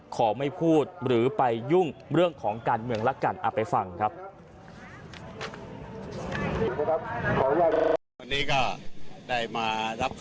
ขอไม่พูดหรือไปยุ่งเรื่องของการเมืองละกันไปฟังครับ